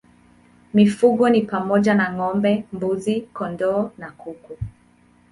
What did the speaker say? Mifugo ni pamoja na ng'ombe, mbuzi, kondoo na kuku.